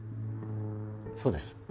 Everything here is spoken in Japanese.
そうです。